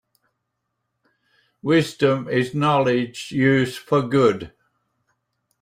Wisdom is knowledge used for good.